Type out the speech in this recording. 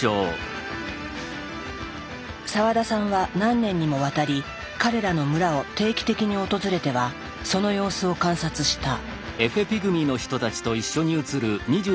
澤田さんは何年にもわたり彼らの村を定期的に訪れてはその様子を観察した。